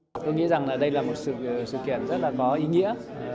tôi nghĩ rằng đây là một sự kiện rất là có ý nghĩa